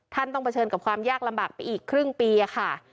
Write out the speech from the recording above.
ท่านต้องเผชิญกับความยากลำบากไปอีกครึ่งปีค่ะ